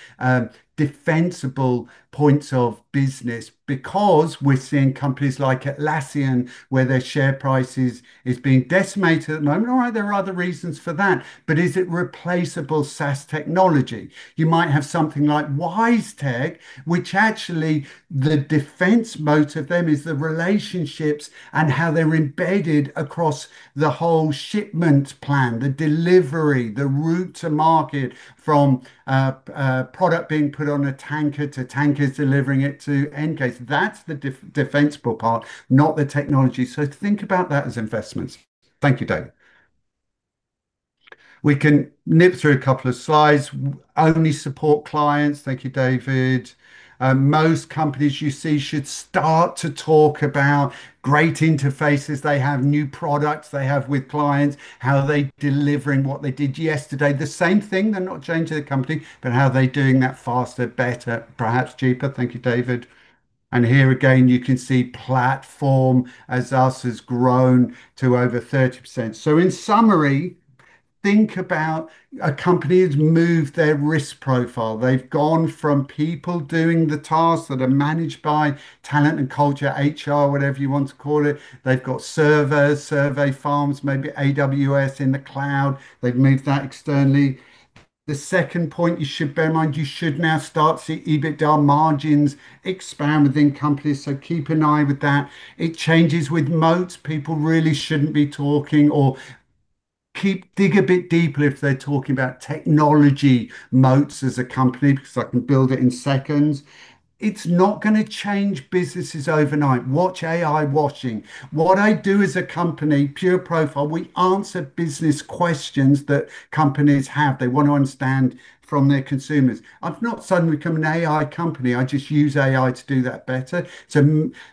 defensible points of business? Because we're seeing companies like Atlassian, where their share price is being decimated at the moment, all right, there are other reasons for that, but is it replaceable SaaS technology? You might have something like WiseTech, which actually the defense moat of them is the relationships and how they're embedded across the whole shipment plan, the delivery, the route to market from product being put on a tanker to tankers delivering it to end case. That's the defensible part, not the technology. Think about that as investments. Thank you, David. We can nip through a couple of slides. Only support clients. Thank you, David. Most companies you see should start to talk about great interfaces they have, new products they have with clients, how are they delivering what they did yesterday. The same thing, they're not changing the company, but how are they doing that faster, better, perhaps cheaper. Thank you, David. Here again, you can see platform SaaS has grown to over 30%. In summary, think about a company that's moved their risk profile. They've gone from people doing the tasks that are managed by talent and culture, HR, whatever you want to call it. They've got servers, server farms, maybe AWS in the cloud. They've moved that externally. The second point you should bear in mind, you should now start to see EBITDA margins expand within companies, so keep an eye with that. It changes with moats. People really shouldn't be talking or keep. Dig a bit deeper if they're talking about technology moats as a company, because I can build it in seconds. It's not gonna change businesses overnight. Watch AI washing. What I do as a company, Pureprofile, we answer business questions that companies have. They want to understand from their consumers. I've not suddenly become an AI company. I just use AI to do that better.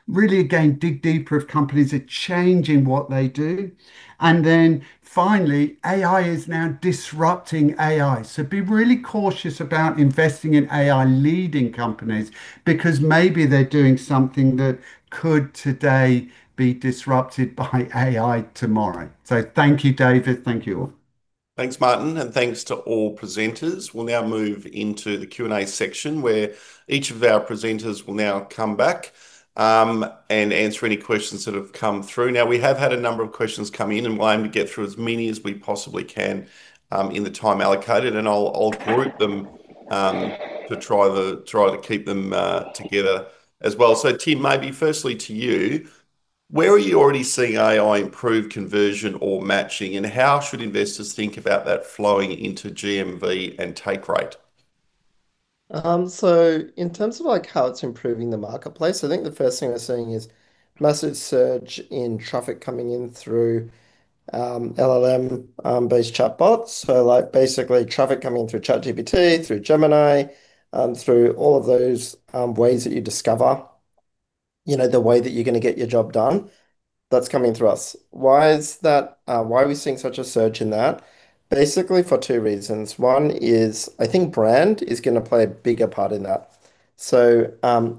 Really, again, dig deeper if companies are changing what they do. Finally, AI is now disrupting AI. Be really cautious about investing in AI-leading companies, because maybe they're doing something that could today be disrupted by AI tomorrow. Thank you, David. Thank you all. Thanks, Martin. Thanks to all presenters. We'll now move into the Q&A section, where each of our presenters will come back and answer any questions that have come through. Now, we have had a number of questions come in, and we aim to get through as many as we possibly can in the time allocated, and I'll group them to try to keep them together as well. Tim, maybe firstly to you, where are you already seeing AI improve conversion or matching, and how should investors think about that flowing into GMV and take rate? In terms of, like, how it's improving the marketplace, I think the first thing we're seeing is massive surge in traffic coming in through LLM-based chatbots. Like basically traffic coming through ChatGPT, through Gemini, through all of those ways that you discover, you know, the way that you're gonna get your job done, that's coming through us. Why is that? Why are we seeing such a surge in that? Basically for two reasons. One is I think brand is gonna play a bigger part in that.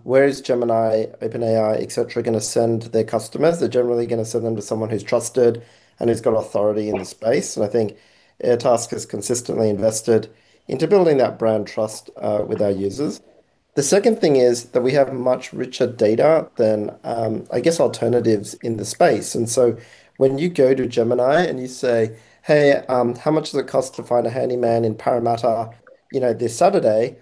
Where is Gemini, OpenAI, et cetera, gonna send their customers? They're generally gonna send them to someone who's trusted and who's got authority in the space. I think Airtasker's consistently invested into building that brand trust with our users. The second thing is that we have much richer data than, I guess, alternatives in the space. When you go to Gemini and you say, "Hey, how much does it cost to find a handyman in Parramatta, you know, this Saturday?"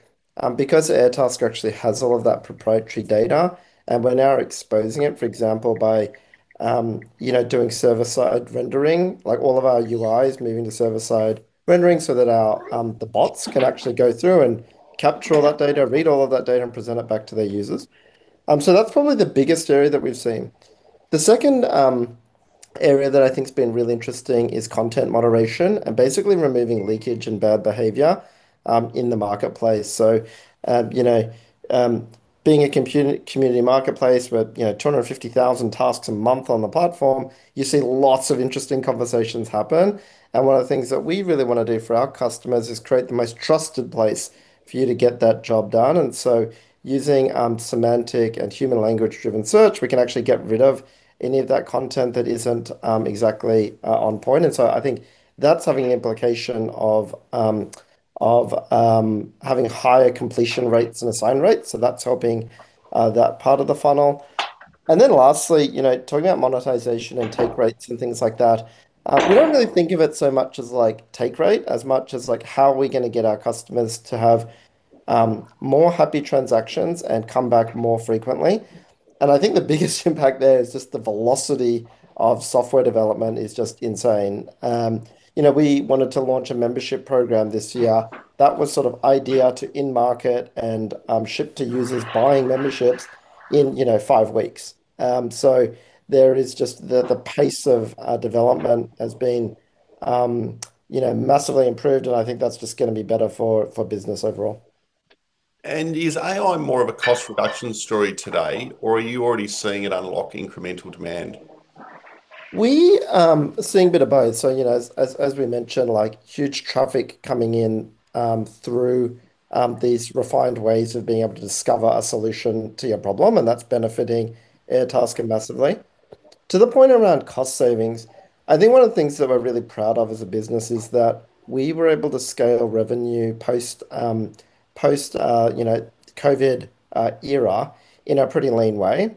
Because Airtasker actually has all of that proprietary data, and we're now exposing it, for example, by, you know, doing server-side rendering, like all of our UI is moving to server-side rendering so that the bots can actually go through and capture all that data, read all of that data, and present it back to their users. That's probably the biggest area that we've seen. The second area that I think's been really interesting is content moderation and basically removing leakage and bad behavior in the marketplace. You know, being a community marketplace with 250,000 tasks a month on the platform, you see lots of interesting conversations happen. One of the things that we really wanna do for our customers is create the most trusted place for you to get that job done. Using semantic and human language-driven search, we can actually get rid of any of that content that isn't exactly on point. I think that's having an implication of having higher completion rates and assign rates. That's helping that part of the funnel. Then lastly, you know, talking about monetization and take rates and things like that, we don't really think of it so much as, like, take rate, as much as, like, how are we gonna get our customers to have more happy transactions and come back more frequently. I think the biggest impact there is just the velocity of software development is just insane. You know, we wanted to launch a membership program this year. That was sort of idea to in-market and ship to users buying memberships in, you know, five weeks. There is just the pace of development has been, you know, massively improved, and I think that's just gonna be better for business overall. Is AI more of a cost reduction story today, or are you already seeing it unlock incremental demand? We are seeing a bit of both. You know, as we mentioned, like huge traffic coming in through these refined ways of being able to discover a solution to your problem, and that's benefiting Airtasker massively. To the point around cost savings, I think one of the things that we're really proud of as a business is that we were able to scale revenue post, you know, COVID era in a pretty lean way.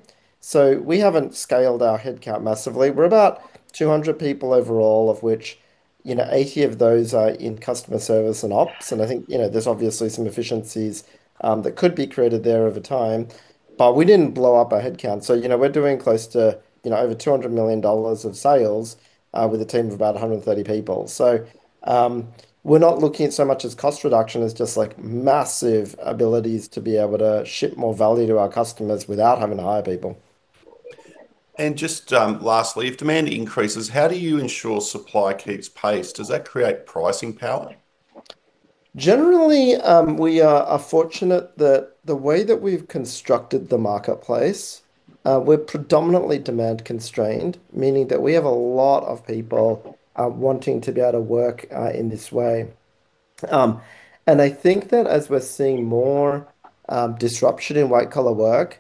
We haven't scaled our headcount massively. We're about 200 people overall, of which, you know, 80 of those are in customer service and ops. I think, you know, there's obviously some efficiencies that could be created there over time. We didn't blow up our headcount. You know, we're doing close to, you know, over 200 million dollars of sales with a team of about 130 people. We're not looking at so much as cost reduction as just, like, massive abilities to be able to ship more value to our customers without having to hire people. Just lastly, if demand increases, how do you ensure supply keeps pace? Does that create pricing power? Generally, we are fortunate that the way that we've constructed the marketplace, we're predominantly demand constrained, meaning that we have a lot of people wanting to be able to work in this way. I think that as we're seeing more disruption in white-collar work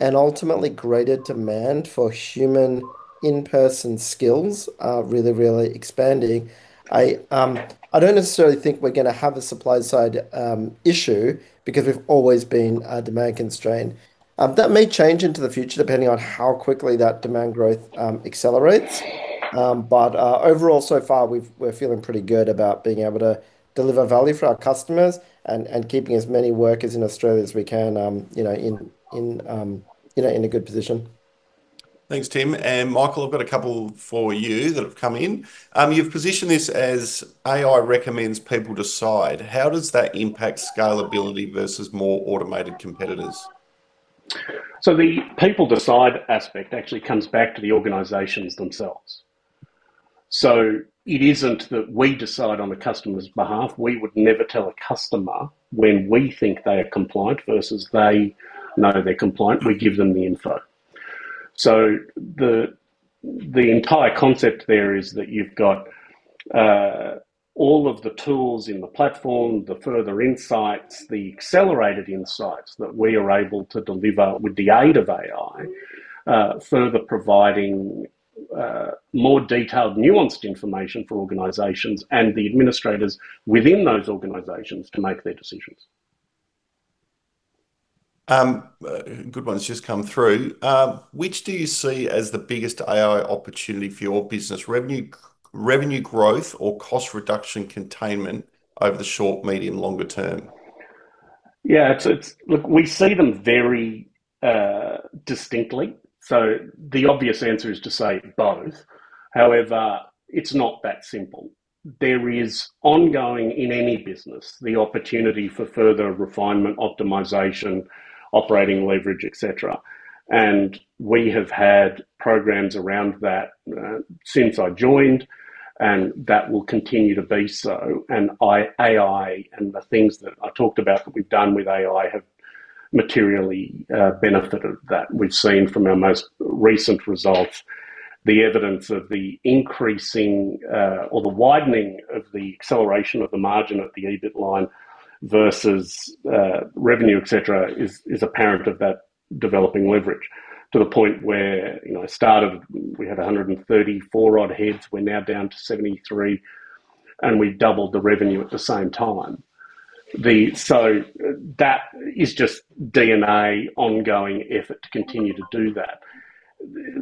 and ultimately greater demand for human in-person skills are really expanding. I don't necessarily think we're gonna have a supply-side issue because we've always been a demand constraint. That may change into the future depending on how quickly that demand growth accelerates. Overall so far we're feeling pretty good about being able to deliver value for our customers and keeping as many workers in Australia as we can, you know, in a good position. Thanks, Tim. Michael, I've got a couple for you that have come in. You've positioned this as AI recommends, people decide. How does that impact scalability versus more automated competitors? The people decide aspect actually comes back to the organizations themselves. It isn't that we decide on a customer's behalf. We would never tell a customer when we think they are compliant versus they know they're compliant. We give them the info. The entire concept there is that you've got all of the tools in the platform, the further insights, the accelerated insights that we are able to deliver with the aid of AI, further providing more detailed, nuanced information for organizations and the administrators within those organizations to make their decisions. A good one's just come through. Which do you see as the biggest AI opportunity for your business? Revenue, revenue growth or cost reduction containment over the short, medium, longer term? Yeah. It's. Look, we see them very distinctly. The obvious answer is to say both. However, it's not that simple. There is ongoing in any business the opportunity for further refinement, optimization, operating leverage, et cetera. We have had programs around that since I joined, and that will continue to be so. AI and the things that I talked about that we've done with AI have materially benefited that. We've seen from our most recent results the evidence of the increasing or the widening of the acceleration of the margin of the EBIT line versus revenue, et cetera, is apparent of that developing leverage to the point where, you know, at the start we had 134-odd heads, we're now down to 73, and we doubled the revenue at the same time. That is just an ongoing effort to continue to do that.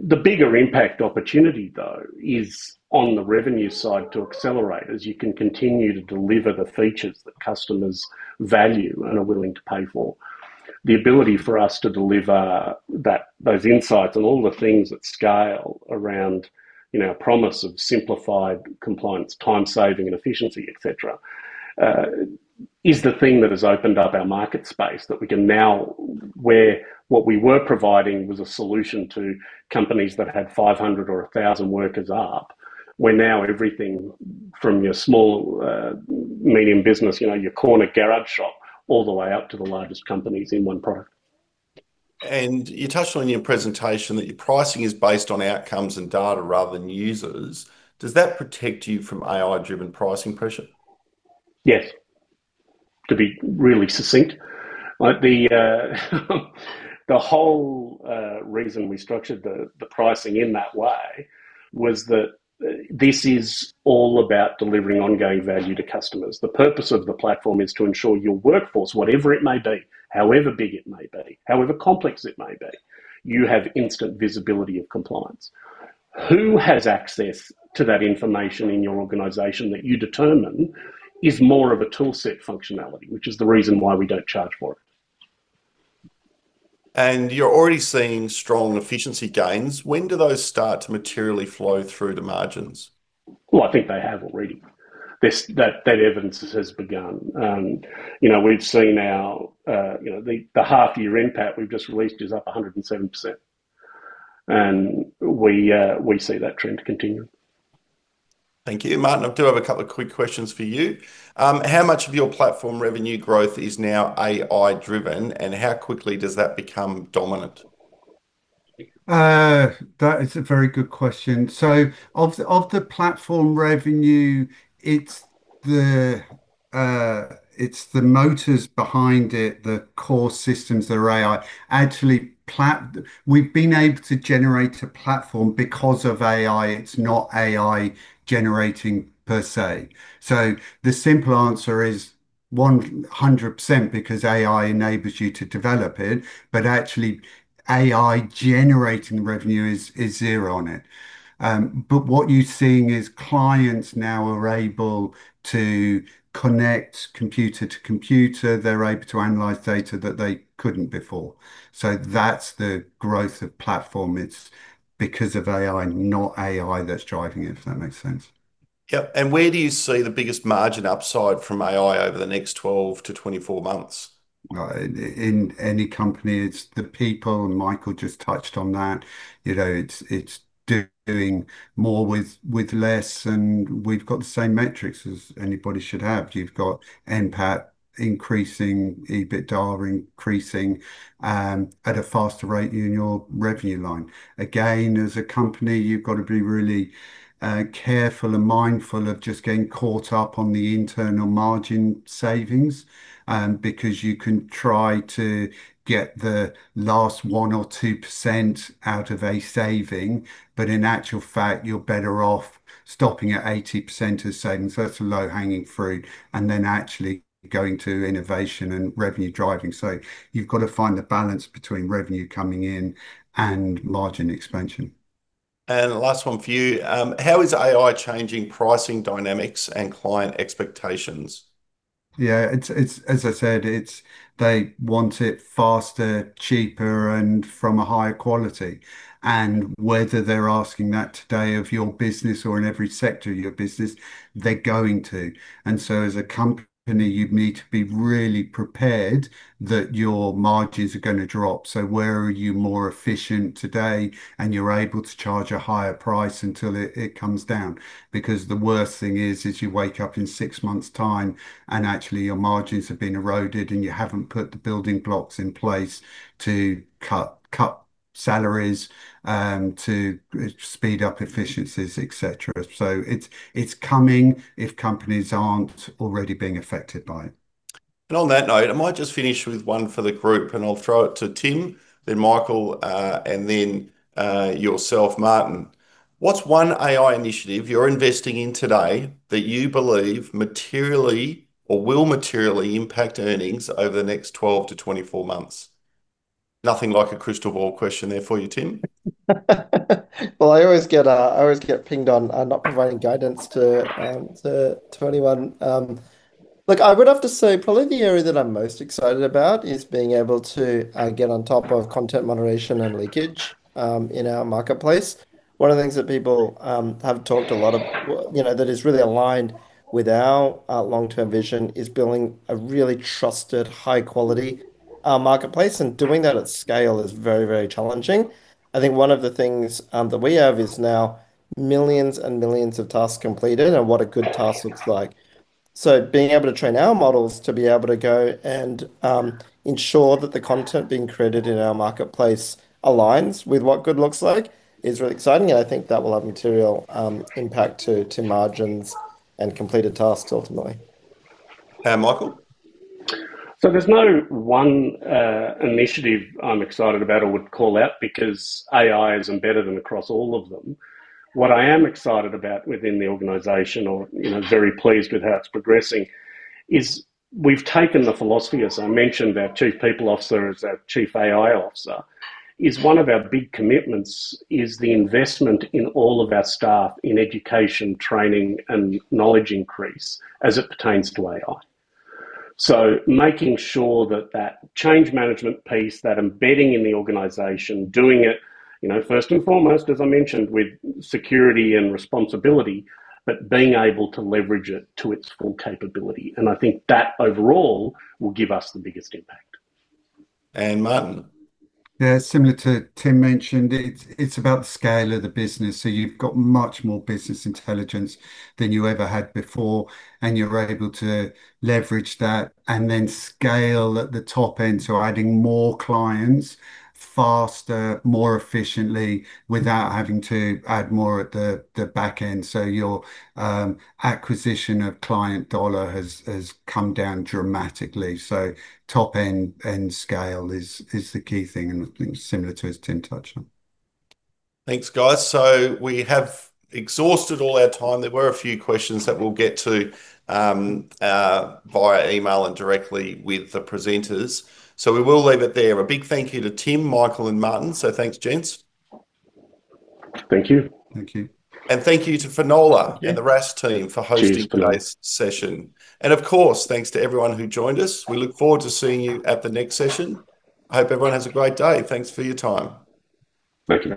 The bigger impact opportunity, though, is on the revenue side to accelerate as you can continue to deliver the features that customers value and are willing to pay for. The ability for us to deliver that, those insights and all the things that scale around, you know, a promise of simplified compliance, time saving and efficiency, et cetera, is the thing that has opened up our market space, where what we were providing was a solution to companies that had 500 or 1,000 workers up. We're now everything from your small, medium business, you know, your corner garage shop, all the way up to the largest companies in one product. You touched on in your presentation that your pricing is based on outcomes and data rather than users. Does that protect you from AI-driven pricing pressure? Yes. To be really succinct. Like the whole reason we structured the pricing in that way was that this is all about delivering ongoing value to customers. The purpose of the platform is to ensure your workforce, whatever it may be, however big it may be, however complex it may be, you have instant visibility of compliance. Who has access to that information in your organization that you determine is more of a tool set functionality, which is the reason why we don't charge for it. You're already seeing strong efficiency gains. When do those start to materially flow through the margins? Well, I think they have already. That evidence has begun. You know, we've seen our you know the half year NPAT we've just released is up 107%, and we see that trend continuing. Thank you. Martin, I do have a couple of quick questions for you. How much of your platform revenue growth is now AI-driven, and how quickly does that become dominant? That is a very good question. Of the platform revenue, it's the motors behind it, the core systems that are AI. Actually, we've been able to generate a platform because of AI. It's not AI generating per se. The simple answer is 100% because AI enables you to develop it, but actually AI generating revenue is zero on it. But what you're seeing is clients now are able to connect computer to computer. They're able to analyze data that they couldn't before. That's the growth of platform. It's because of AI, not AI that's driving it, if that makes sense. Yeah. Where do you see the biggest margin upside from AI over the next 12-24 months? Well, in any company it's the people, and Michael just touched on that. You know, it's doing more with less, and we've got the same metrics as anybody should have. You've got NPAT increasing, EBITDA increasing, at a faster rate than your revenue line. Again, as a company you've got to be really careful and mindful of just getting caught up on the internal margin savings, because you can try to get the last 1% or 2% out of a saving, but in actual fact you're better off stopping at 80% of saving, so that's the low-hanging fruit, and then actually going to innovation and revenue driving. You've got to find the balance between revenue coming in and margin expansion. The last one for you. How is AI changing pricing dynamics and client expectations? Yeah. It's, as I said, they want it faster, cheaper, and from a higher quality. Whether they're asking that today of your business or in every sector of your business, they're going to. As a company you need to be really prepared that your margins are gonna drop. Where are you more efficient today and you're able to charge a higher price until it comes down? Because the worst thing is you wake up in six months' time and actually your margins have been eroded and you haven't put the building blocks in place to cut salaries, to speed up efficiencies, et cetera. It's coming, if companies aren't already being affected by it. On that note, I might just finish with one for the group, and I'll throw it to Tim, then Michael, and then yourself, Martin. What's one AI initiative you're investing in today that you believe materially or will materially impact earnings over the next 12-24 months? Nothing like a crystal ball question there for you, Tim. Well, I always get pinged on not providing guidance to anyone. Look, I would have to say probably the area that I'm most excited about is being able to get on top of content moderation and leakage in our marketplace. One of the things that people have talked a lot of, you know, that is really aligned with our long-term vision is building a really trusted high-quality marketplace, and doing that at scale is very, very challenging. I think one of the things that we have is now millions and millions of tasks completed and what a good task looks like. Being able to train our models to be able to go and ensure that the content being created in our marketplace aligns with what good looks like is really exciting, and I think that will have material impact to margins and completed tasks ultimately. Michael? There's no one initiative I'm excited about or would call out because AI is embedded in across all of them. What I am excited about within the organization or, you know, very pleased with how it's progressing is we've taken the philosophy, as I mentioned, our Chief People Officer is our Chief AI Officer, is one of our big commitments is the investment in all of our staff in education training and knowledge increase as it pertains to AI. Making sure that that change management piece, that embedding in the organization, doing it, you know, first and foremost, as I mentioned, with security and responsibility, but being able to leverage it to its full capability, and I think that overall will give us the biggest impact. Martin? Yeah. Similar to Tim mentioned, it's about the scale of the business. You've got much more business intelligence than you ever had before, and you're able to leverage that and then scale at the top end, so adding more clients faster, more efficiently without having to add more at the back end. Your acquisition of client dollar has come down dramatically. Top-end scale is the key thing, and similar to as Tim touched on. Thanks, guys. We have exhausted all our time. There were a few questions that we'll get to via email and directly with the presenters, so we will leave it there. A big thank you to Tim, Michael and Martin, so thanks gents. Thank you. Thank you. Thank you to Finola. Yeah. The RaaS team for hosting. Cheers. Today's session. Of course, thanks to everyone who joined us. We look forward to seeing you at the next session. I hope everyone has a great day. Thanks for your time. Thank you.